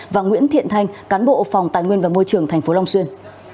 và nguyễn thiện thanh cán bộ phòng tài nguyên và môi trường tp long xuyên